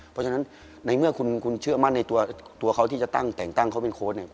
เพราะฉะนั้นในเมื่อคุณเชื่อมั่นในตัวเขาที่จะตั้งแต่งตั้งเขาเป็นโค้ชเนี่ย